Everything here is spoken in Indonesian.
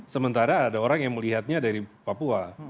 sementara ada orang yang melihatnya dari papua